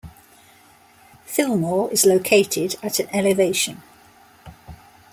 Fillmore is located at in elevation.